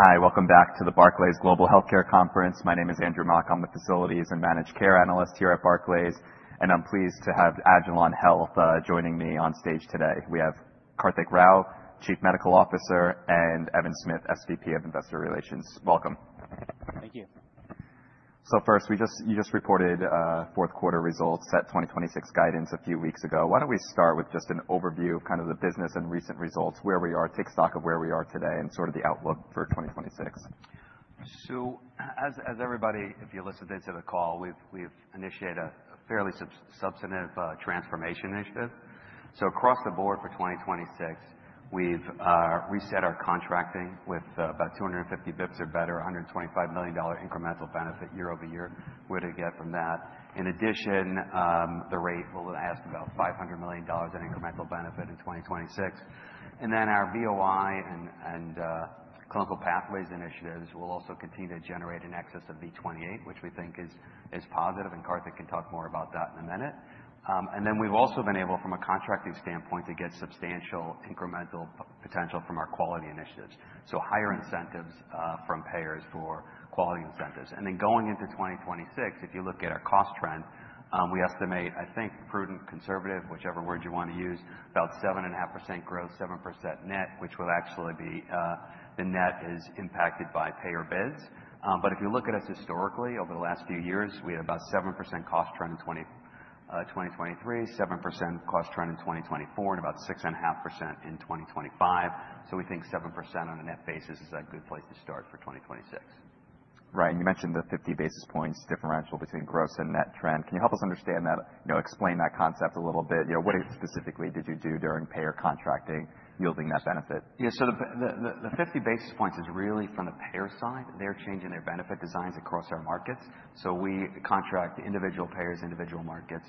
Hi, welcome back to the Barclays Global Healthcare Conference. My name is Andrew Mok, I'm the Facilities and Managed Care Analyst here at Barclays, and I'm pleased to have agilon health joining me on stage today. We have Karthik Rao, Chief Medical Officer, and Evan Smith, SVP of Investor Relations. Welcome. Thank you. First, you just reported fourth quarter results, set 2026 guidance a few weeks ago. Why don't we start with just an overview of kind of the business and recent results, where we are, take stock of where we are today and sort of the outlook for 2026? As everybody, if you listen into the call, we've initiated a fairly substantive transformation initiative. Across the board for 2026, we've reset our contracting with about 250 basis points or better, $125 million incremental benefit year-over-year. We're to get from that. In addition, the rate will add about $500 million in incremental benefit in 2026. Then our BOI and clinical pathways initiatives will also continue to generate in excess of V28, which we think is positive, and Karthik can talk more about that in a minute. We've also been able from a contracting standpoint to get substantial incremental potential from our quality initiatives. Higher incentives from payers for quality incentives. Going into 2026, if you look at our cost trend, we estimate, I think prudent, conservative, whichever word you wanna use, about 7.5% growth, 7% net, which will actually be, the net is impacted by payer bids. If you look at us historically over the last few years, we had about 7% cost trend in 2023, 7% cost trend in 2024, and about 6.5% in 2025. We think 7% on a net basis is a good place to start for 2026. Right. You mentioned the 50 basis points differential between gross and net trend. Can you help us understand that? You know, explain that concept a little bit. You know, what specifically did you do during payer contracting yielding that benefit? The 50 basis points is really from the payer side. They're changing their benefit designs across our markets. We contract with individual payers in individual markets.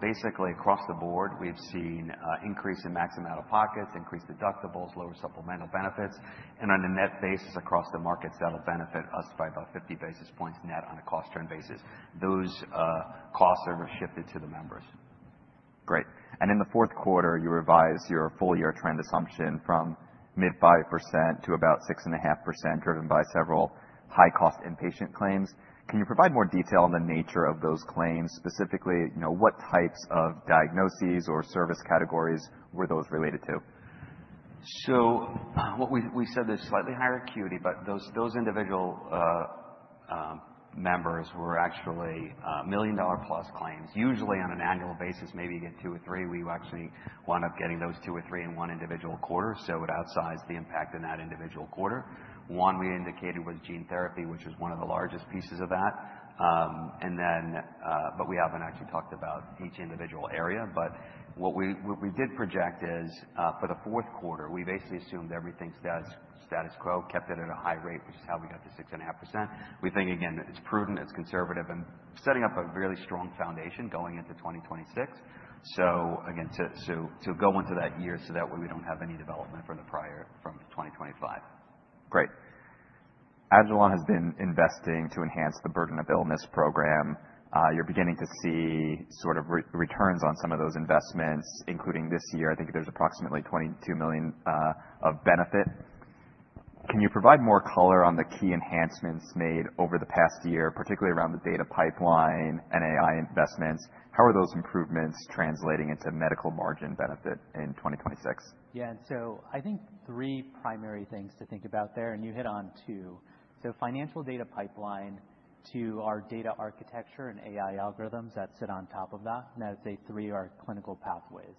Basically across the board, we've seen increase in max out-of-pocket, increased deductibles, lower supplemental benefits. On a net basis across the markets, that'll benefit us by about 50 basis points net on a cost trend basis. Those costs are shifted to the members. Great. In the fourth quarter, you revised your full-year trend assumption from mid 5% to about 6.5%, driven by several high-cost inpatient claims. Can you provide more detail on the nature of those claims, specifically, you know, what types of diagnoses or service categories were those related to? What we said is slightly higher acuity, but those individual members were actually $1 million+ claims. Usually on an annual basis, maybe you get two or three. We actually wound up getting those two or three in one individual quarter, so it outsized the impact in that individual quarter. One we indicated was gene therapy, which is one of the largest pieces of that. We haven't actually talked about each individual area. What we did project is, for the fourth quarter, we basically assumed everything's status quo, kept it at a high rate, which is how we got to 6.5%. We think, again, it's prudent, it's conservative, and setting up a really strong foundation going into 2026. Again, to go into that year, so that way we don't have any development from the prior, from 2025. Great. agilon has been investing to enhance the burden of illness program. You're beginning to see sort of returns on some of those investments, including this year, I think there's approximately $22 million of benefit. Can you provide more color on the key enhancements made over the past year, particularly around the data pipeline and AI investments? How are those improvements translating into medical margin benefit in 2026? Yeah. I think three primary things to think about there, and you hit on two. Financial data pipeline to our data architecture and AI algorithms that sit on top of that. I would say three are clinical pathways.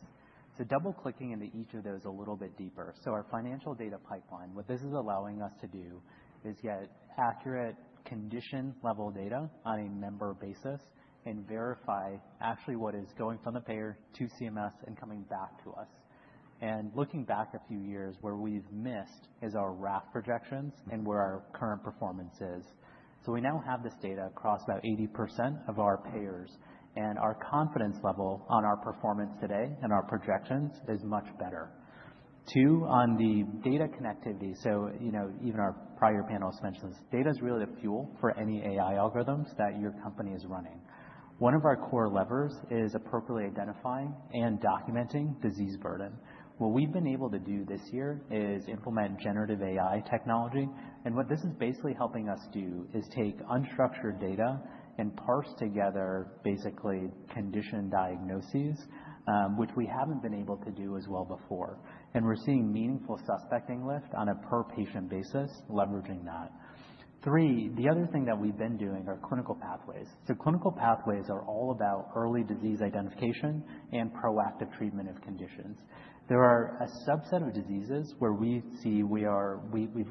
Double-clicking into each of those a little bit deeper. Our financial data pipeline, what this is allowing us to do is get accurate condition-level data on a member basis and verify actually what is going from the payer to CMS and coming back to us. Looking back a few years, where we've missed is our RAF projections and where our current performance is. We now have this data across about 80% of our payers and our confidence level on our performance today and our projections is much better. Two, on the data connectivity, so you know, even our prior panelists mentioned this, data is really the fuel for any AI algorithms that your company is running. One of our core levers is appropriately identifying and documenting disease burden. What we've been able to do this year is implement generative AI technology. What this is basically helping us do is take unstructured data and parse together basically condition diagnoses, which we haven't been able to do as well before. We're seeing meaningful suspect lift on a per patient basis, leveraging that. Three, the other thing that we've been doing are clinical pathways. Clinical pathways are all about early disease identification and proactive treatment of conditions. There are a subset of diseases where we've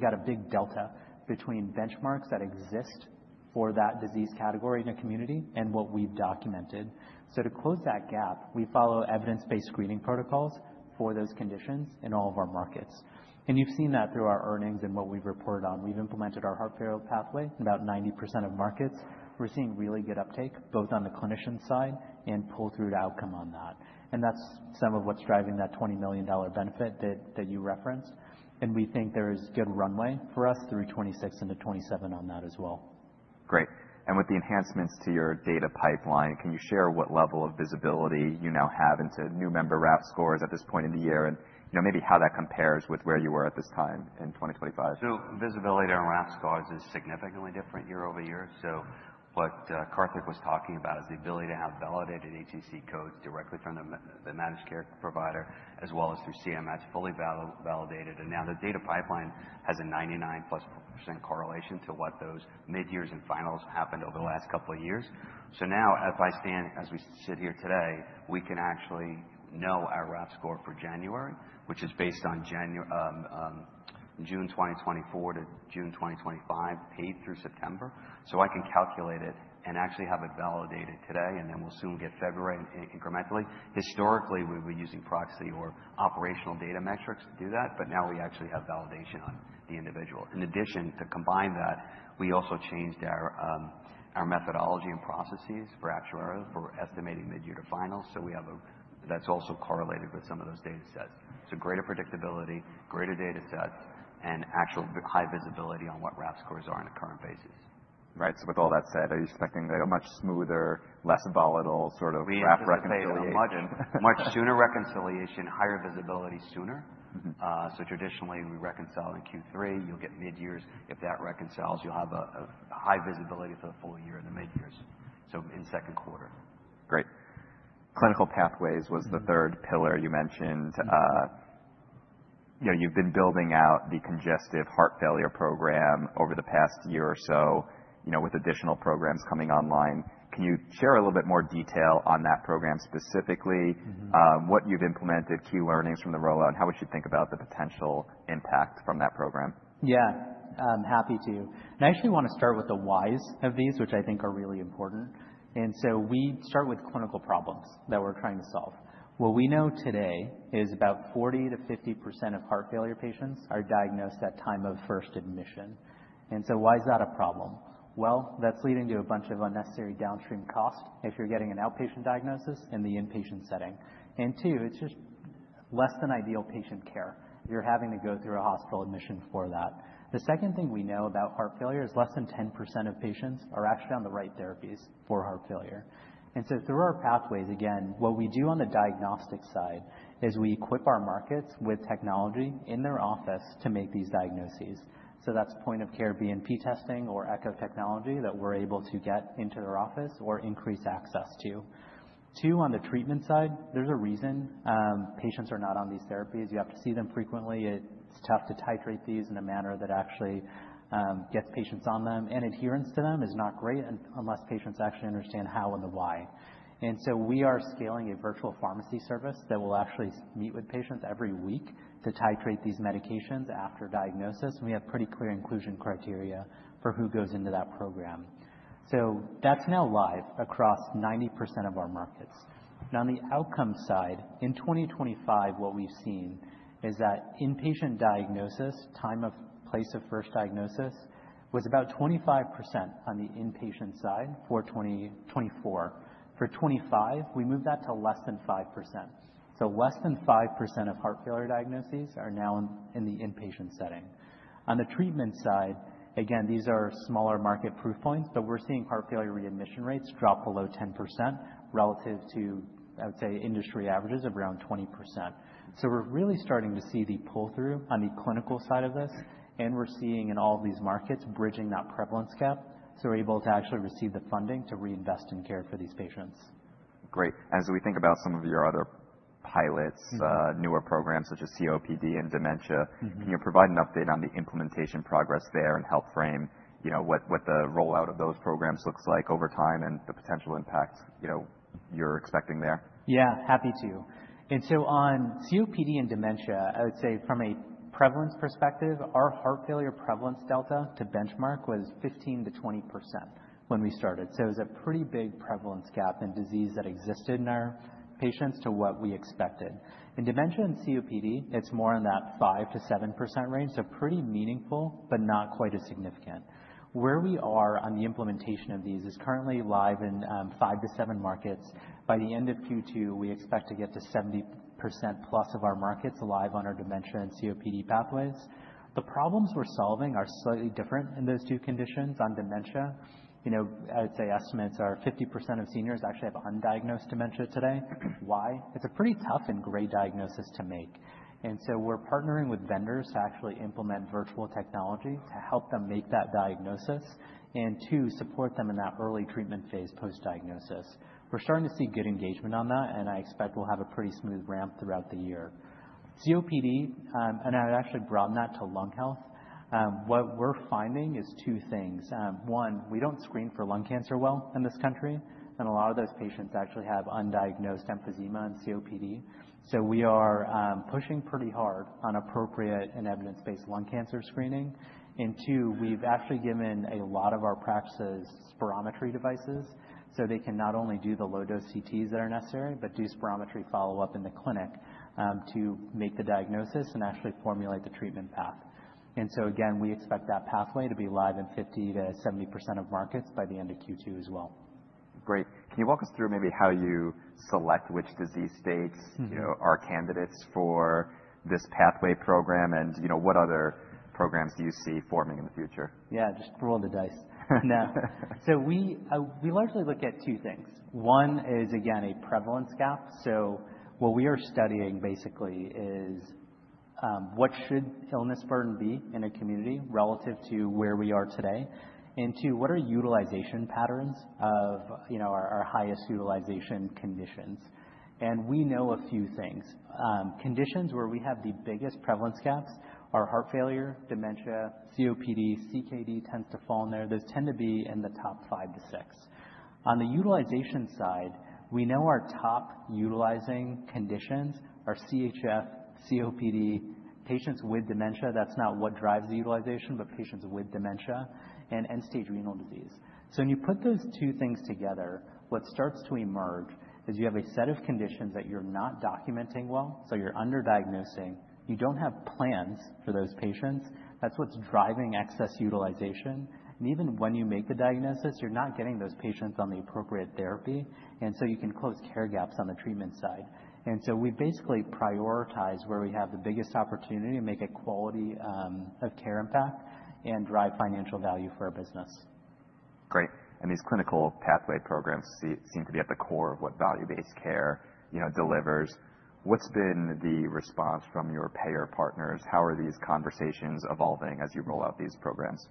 got a big delta between benchmarks that exist for that disease category in the community and what we've documented. To close that gap, we follow evidence-based screening protocols for those conditions in all of our markets. You've seen that through our earnings and what we've reported on. We've implemented our heart failure pathway in about 90% of markets. We're seeing really good uptake, both on the clinician side and pull-through outcome on that. That's some of what's driving that $20 million benefit that you referenced. We think there is good runway for us through 2026 into 2027 on that as well. Great. With the enhancements to your data pipeline, can you share what level of visibility you now have into new member RAF scores at this point in the year? You know, maybe how that compares with where you were at this time in 2025? Visibility around RAF scores is significantly different year over year. What Karthik was talking about is the ability to have validated HCC codes directly from the managed care provider as well as through CMS, fully validated. Now the data pipeline has a 99+% correlation to what those midyears and finals happened over the last couple of years. Now as we sit here today, we can actually know our RAF score for January, which is based on June 2024 to June 2025, paid through September. I can calculate it and actually have it validated today, and then we'll soon get February incrementally. Historically, we were using proxy or operational data metrics to do that, but now we actually have validation on the individual. In addition, to combine that, we also changed our methodology and processes for actuarial estimating midyear to finals. That's also correlated with some of those data sets. Greater predictability, greater data sets, and actual high visibility on what RAF scores are on a current basis. Right. With all that said, are you expecting like a much smoother, less volatile sort of RAF reconciliation? We anticipate a much, much sooner reconciliation, higher visibility sooner. Mm-hmm. Traditionally, we reconcile in Q3. You'll get midyears. If that reconciles, you'll have a high visibility for the full year in the midyears, so in second quarter. Great. Clinical pathways was the third pillar you mentioned. You know, you've been building out the congestive heart failure program over the past year or so, you know, with additional programs coming online. Can you share a little bit more detail on that program specifically? Mm-hmm. What you've implemented, key learnings from the rollout, and how would you think about the potential impact from that program? Yeah, I'm happy to. I actually wanna start with the whys of these, which I think are really important. We start with clinical problems that we're trying to solve. What we know today is about 40%-50% of heart failure patients are diagnosed at time of first admission. Why is that a problem? Well, that's leading to a bunch of unnecessary downstream costs if you're getting an outpatient diagnosis in the inpatient setting. Two, it's just less than ideal patient care. You're having to go through a hospital admission for that. The second thing we know about heart failure is less than 10% of patients are actually on the right therapies for heart failure. Through our pathways, again, what we do on the diagnostic side is we equip our markets with technology in their office to make these diagnoses. That's point of care BNP testing or echo technology that we're able to get into their office or increase access to. Two, on the treatment side, there's a reason patients are not on these therapies. You have to see them frequently. It's tough to titrate these in a manner that actually gets patients on them, and adherence to them is not great unless patients actually understand how and the why. We are scaling a virtual pharmacy service that will actually meet with patients every week to titrate these medications after diagnosis, and we have pretty clear inclusion criteria for who goes into that program. That's now live across 90% of our markets. Now, on the outcome side, in 2025, what we've seen is that inpatient diagnosis, time of place of first diagnosis, was about 25% on the inpatient side for 2024. For 2025, we moved that to less than 5%. Less than 5% of heart failure diagnoses are now in the inpatient setting. On the treatment side, again, these are smaller market proof points, but we're seeing heart failure readmission rates drop below 10% relative to, I would say, industry averages of around 20%. We're really starting to see the pull-through on the clinical side of this, and we're seeing in all of these markets bridging that prevalence gap, so we're able to actually receive the funding to reinvest in care for these patients. Great. As we think about some of your other pilots. Mm-hmm. Newer programs such as COPD and dementia. Mm-hmm. Can you provide an update on the implementation progress there and help frame, you know, what the rollout of those programs looks like over time and the potential impact, you know, you're expecting there? Yeah, happy to. On COPD and dementia, I would say from a prevalence perspective, our heart failure prevalence delta to benchmark was 15%-20% when we started. It was a pretty big prevalence gap in disease that existed in our patients to what we expected. In dementia and COPD, it's more in that 5%-7% range, so pretty meaningful, but not quite as significant. Where we are on the implementation of these is currently live in five-seven markets. By the end of Q2, we expect to get to 70%+ of our markets live on our dementia and COPD pathways. The problems we're solving are slightly different in those two conditions. On dementia, you know, I would say estimates are 50% of seniors actually have undiagnosed dementia today. Why? It's a pretty tough and gray diagnosis to make. We're partnering with vendors to actually implement virtual technology to help them make that diagnosis and to support them in that early treatment phase post-diagnosis. We're starting to see good engagement on that, and I expect we'll have a pretty smooth ramp throughout the year. COPD, and I'd actually broaden that to lung health, what we're finding is two things. One, we don't screen for lung cancer well in this country, and a lot of those patients actually have undiagnosed emphysema and COPD. We are pushing pretty hard on appropriate and evidence-based lung cancer screening. Two, we've actually given a lot of our practices spirometry devices, so they can not only do the low-dose CTs that are necessary, but do spirometry follow-up in the clinic, to make the diagnosis and actually formulate the treatment path. Again, we expect that pathway to be live in 50%-70% of markets by the end of Q2 as well. Great. Can you walk us through maybe how you select which disease states, you know, are candidates for this pathway program and, you know, what other programs do you see forming in the future? Yeah, just roll the dice. No. We largely look at two things. One is, again, a prevalence gap. What we are studying basically is, what should illness burden be in a community relative to where we are today? Two, what are utilization patterns of, you know, our highest utilization conditions? We know a few things. Conditions where we have the biggest prevalence gaps are heart failure, dementia, COPD, CKD tends to fall in there. Those tend to be in the top five-six. On the utilization side, we know our top utilizing conditions are CHF, COPD, patients with dementia, that's not what drives the utilization, but patients with dementia, and end-stage renal disease. When you put those two things together, what starts to emerge is you have a set of conditions that you're not documenting well, so you're under-diagnosing. You don't have plans for those patients. That's what's driving excess utilization. Even when you make the diagnosis, you're not getting those patients on the appropriate therapy, and so you can close care gaps on the treatment side. We basically prioritize where we have the biggest opportunity to make a quality of care impact and drive financial value for our business. Great. These clinical pathway programs seem to be at the core of what value-based care, you know, delivers. What's been the response from your payer partners? How are these conversations evolving as you roll out these programs?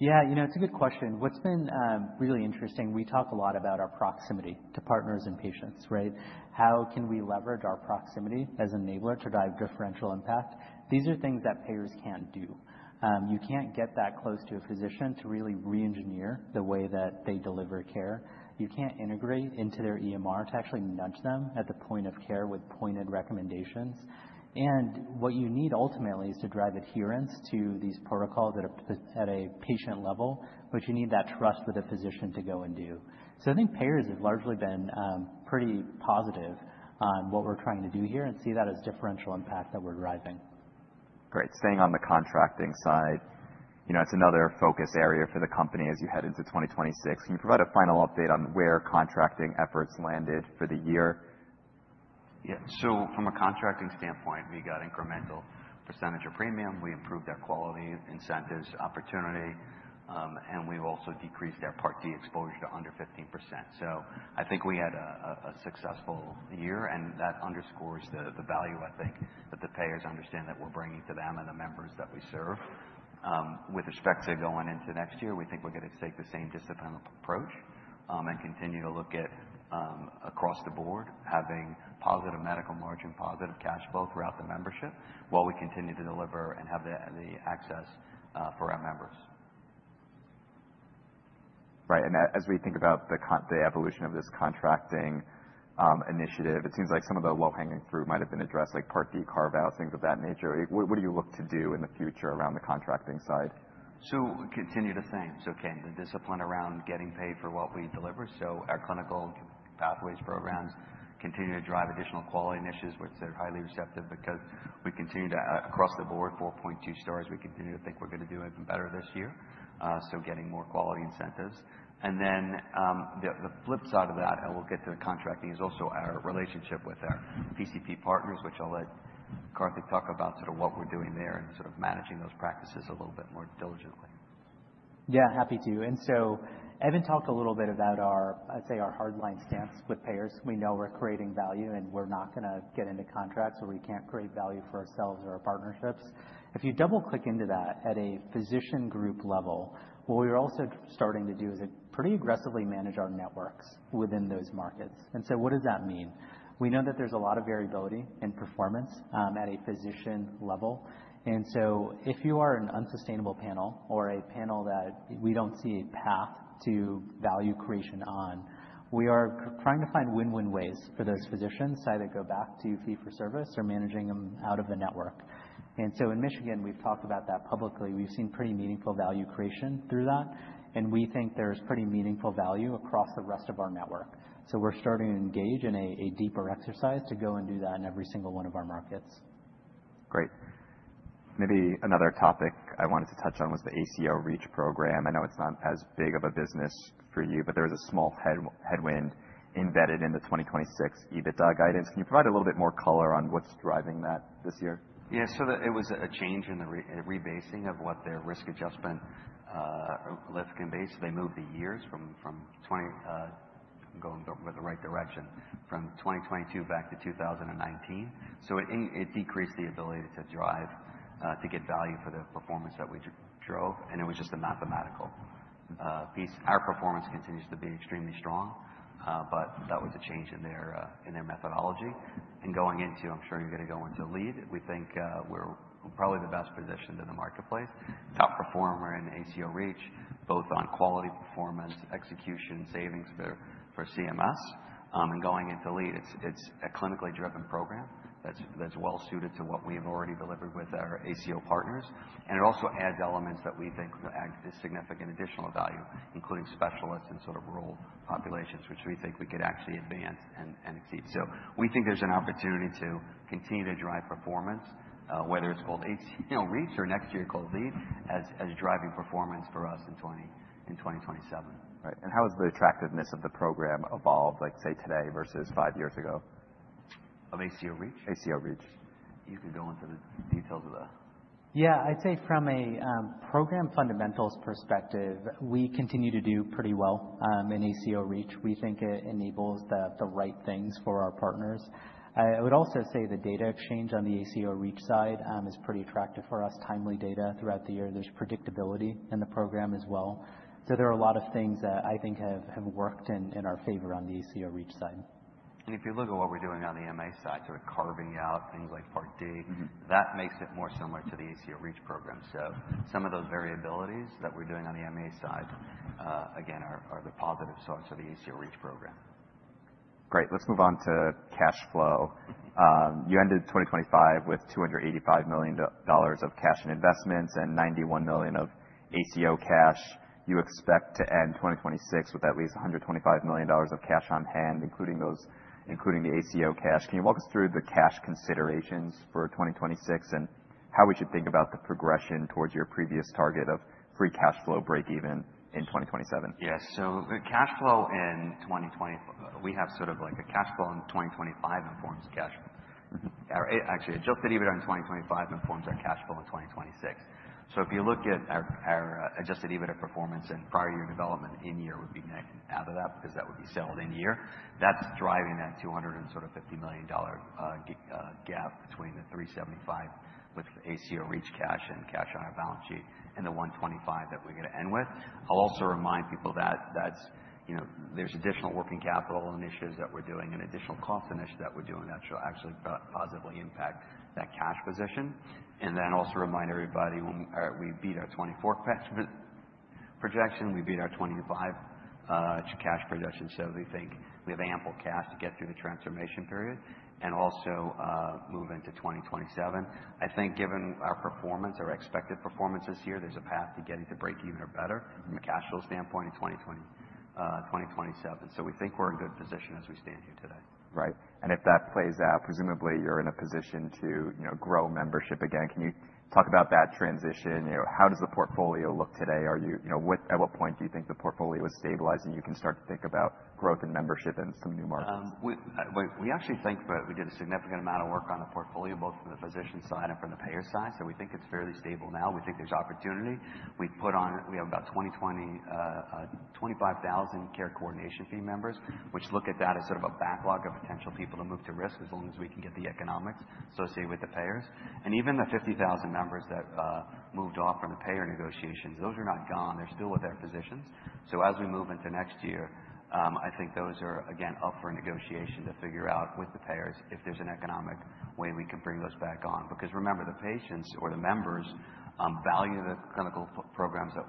Yeah. You know, it's a good question. What's been really interesting, we talk a lot about our proximity to partners and patients, right? How can we leverage our proximity as enabler to drive differential impact? These are things that payers can't do. You can't get that close to a physician to really reengineer the way that they deliver care. You can't integrate into their EMR to actually nudge them at the point of care with pointed recommendations. What you need ultimately is to drive adherence to these protocols at a patient level, which you need that trust with a physician to go and do. I think payers have largely been pretty positive on what we're trying to do here and see that as differential impact that we're driving. Great. Staying on the contracting side, you know, it's another focus area for the company as you head into 2026. Can you provide a final update on where contracting efforts landed for the year? Yeah. From a contracting standpoint, we got incremental percentage of premium. We improved our quality incentives opportunity, and we've also decreased our Part D exposure to under 15%. I think we had a successful year, and that underscores the value, I think, that the payers understand that we're bringing to them and the members that we serve. With respect to going into next year, we think we're gonna take the same disciplined approach, and continue to look at, across the board, having positive medical margin, positive cash flow throughout the membership, while we continue to deliver and have the access for our members. Right. As we think about the evolution of this contracting initiative, it seems like some of the low-hanging fruit might have been addressed like Part D carve-out, things of that nature. What do you look to do in the future around the contracting side? Continue the things. Again, the discipline around getting paid for what we deliver. Our clinical pathways programs continue to drive additional quality initiatives, which they're highly receptive because we continue to across the board, 4.2 stars. We continue to think we're gonna do even better this year, so getting more quality incentives. The flip side of that, and we'll get to the contracting, is also our relationship with our PCP partners, which I'll let Karthik talk about sort of what we're doing there and sort of managing those practices a little bit more diligently. Yeah, happy to. Evan talked a little bit about our, I'd say, our hard line stance with payers. We know we're creating value, and we're not gonna get into contracts where we can't create value for ourselves or our partnerships. If you double-click into that at a physician group level, what we're also starting to do is pretty aggressively manage our networks within those markets. What does that mean? We know that there's a lot of variability in performance at a physician level. If you are an unsustainable panel or a panel that we don't see a path to value creation on, we are trying to find win-win ways for those physicians to either go back to fee for service or managing them out of the network. In Michigan, we've talked about that publicly. We've seen pretty meaningful value creation through that, and we think there's pretty meaningful value across the rest of our network. We're starting to engage in a deeper exercise to go and do that in every single one of our markets. Great. Maybe another topic I wanted to touch on was the ACO REACH program. I know it's not as big of a business for you, but there was a small headwind embedded in the 2026 EBITDA guidance. Can you provide a little bit more color on what's driving that this year? It was a change in the rebasing of what their risk adjustment lift baseline. They moved the years from 2022 back to 2019. It decreased the ability to drive to get value for the performance that we drove, and it was just a mathematical piece. Our performance continues to be extremely strong, but that was a change in their methodology. Going into, I'm sure you're gonna go into LEAD. We think we're probably the best positioned in the marketplace. Top performer in ACO REACH, both on quality, performance, execution, savings for CMS. Going into LEAD, it's a clinically driven program that's well suited to what we have already delivered with our ACO partners. It also adds elements that we think will add significant additional value, including specialists in sort of rural populations, which we think we could actually advance and exceed. We think there's an opportunity to continue to drive performance, whether it's called ACO REACH, you know, or next year called LEAD, as driving performance for us in 2027. Right. How has the attractiveness of the program evolved, like, say, today versus five years ago? Of ACO REACH? ACO REACH. You can go into the details of that. Yeah, I'd say from a program fundamentals perspective, we continue to do pretty well in ACO REACH. We think it enables the right things for our partners. I would also say the data exchange on the ACO REACH side is pretty attractive for us, timely data throughout the year. There's predictability in the program as well. There are a lot of things that I think have worked in our favor on the ACO REACH side. If you look at what we're doing on the MA side, sort of carving out things like Part D. Mm-hmm. That makes it more similar to the ACO REACH program. Some of those variabilities that we're doing on the MA side, again, are the positive sorts of the ACO REACH program. Great. Let's move on to cash flow. You ended 2025 with $285 million of cash and investments and $91 million of ACO cash. You expect to end 2026 with at least $125 million of cash on hand, including the ACO cash. Can you walk us through the cash considerations for 2026, and how we should think about the progression towards your previous target of free cash flow break even in 2027? We have sort of like a cash flow in 2025 informs cash. Mm-hmm. Actually, adjusted EBITDA in 2025 informs our cash flow in 2026. If you look at our adjusted EBITDA performance and prior year development, in-year would be net out of that because that would be settled in year. That's driving that $250 million gap between the $375 million with ACO REACH cash and cash on our balance sheet and the $125 million that we're gonna end with. I'll also remind people that that's, you know, there's additional working capital initiatives that we're doing and additional cost initiatives that we're doing that should actually positively impact that cash position. Then also remind everybody when we beat our 2024 cash projection, we beat our 2025 cash projection. We think we have ample cash to get through the transformation period and also move into 2027. I think given our performance or expected performance this year, there's a path to getting to break even or better from a cash flow standpoint in 2027. We think we're in a good position as we stand here today. Right. If that plays out, presumably you're in a position to, you know, grow membership again. Can you talk about that transition? You know, how does the portfolio look today? You know, at what point do you think the portfolio is stabilizing, you can start to think about growth in membership in some new markets? We actually think that we did a significant amount of work on the portfolio, both from the physician side and from the payer side. We think it's fairly stable now. We think there's opportunity. We have about 25,000 care coordination fee members, which look at that as sort of a backlog of potential people to move to risk as long as we can get the economics associated with the payers. Even the 50,000 members that moved off from the payer negotiations, those are not gone. They're still with their physicians. As we move into next year, I think those are, again, up for negotiation to figure out with the payers if there's an economic way we can bring those back on. Because remember, the patients or the members value the clinical programs that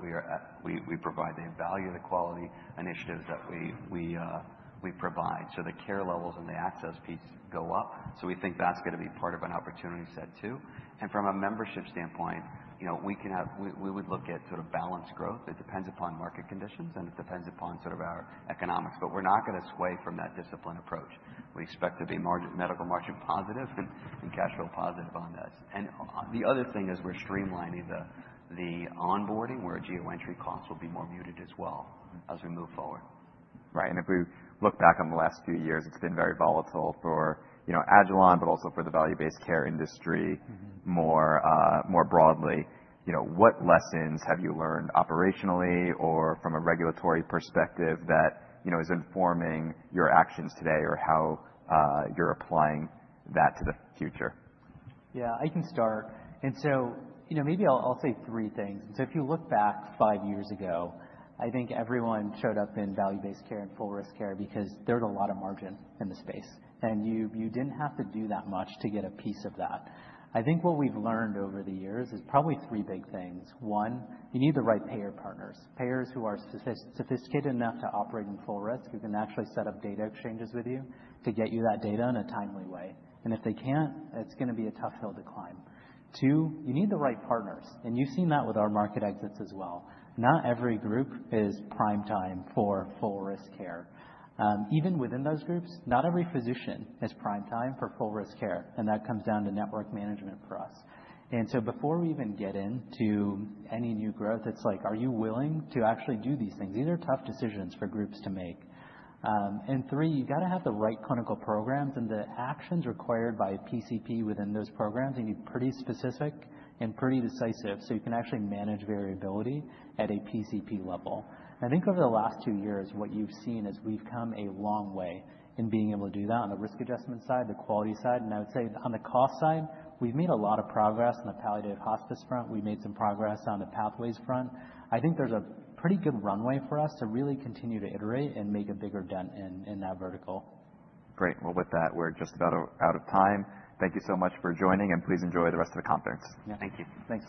we provide. They value the quality initiatives that we provide. The care levels and the access piece go up. We think that's gonna be part of an opportunity set too. From a membership standpoint, you know, we would look at sort of balanced growth. It depends upon market conditions, and it depends upon sort of our economics. We're not gonna sway from that disciplined approach. We expect to be medical margin positive and cash flow positive on this. Oh, the other thing is we're streamlining the onboarding, where geo entry costs will be more muted as well as we move forward. Right. If we look back on the last few years, it's been very volatile for, you know, agilon health, but also for the value-based care industry. Mm-hmm. More broadly. You know, what lessons have you learned operationally or from a regulatory perspective that, you know, is informing your actions today or how you're applying that to the future? Yeah, I can start. You know, maybe I'll say three things. If you look back five years ago, I think everyone showed up in value-based care and full risk care because there's a lot of margin in the space, and you didn't have to do that much to get a piece of that. I think what we've learned over the years is probably three big things. One, you need the right payer partners. Payers who are sophisticated enough to operate in full risk, who can actually set up data exchanges with you to get you that data in a timely way. If they can't, it's gonna be a tough hill to climb. Two, you need the right partners, and you've seen that with our market exits as well. Not every group is prime time for full risk care. Even within those groups, not every physician is prime time for full risk care, and that comes down to network management for us. Before we even get into any new growth, it's like, are you willing to actually do these things? These are tough decisions for groups to make. Three, you gotta have the right clinical programs and the actions required by a PCP within those programs, they need pretty specific and pretty decisive, so you can actually manage variability at a PCP level. I think over the last two years, what you've seen is we've come a long way in being able to do that on the risk adjustment side, the quality side. I would say on the cost side, we've made a lot of progress on the palliative hospice front. We made some progress on the pathways front. I think there's a pretty good runway for us to really continue to iterate and make a bigger dent in that vertical. Great. Well, with that, we're just about out of time. Thank you so much for joining, and please enjoy the rest of the conference. Yeah. Thank you. Thanks.